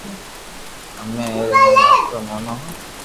امي ائري ھر واتو مونو ھون